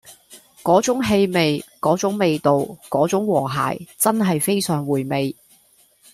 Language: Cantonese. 嗰種氣味嗰種味道嗰種和諧真係非常回味